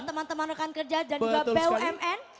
teman teman rekan kerja dan juga bumn